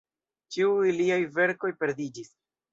Ĉiuj liaj verkoj perdiĝis.